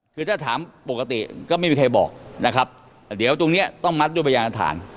คือถ้าถามปกติก็ไม่มีใครบอกนะครับแต่เดี๋ยวตรงเนี้ยต้องมัดด้วยพยานฐาน